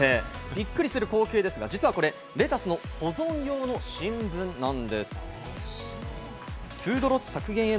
びっくりする光景ですが、実はこれレタスの保存用の新聞なんです。